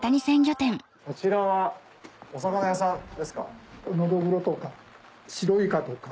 こちらはお魚屋さんですか？